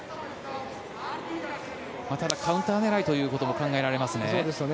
ただカウンター狙いということも考えられますね。